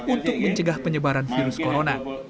untuk mencegah penyebaran virus corona